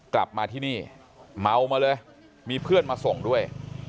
กลับมาที่นี่เมามาเลยมีเพื่อนมาส่งด้วย